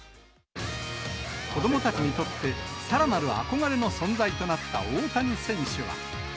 子どもたちにとって、さらなる憧れの存在となった大谷選手は。